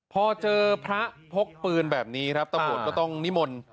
พอเจอพระพกปืนแบบนี้ครับตำรวจก็ต้องนิมนต์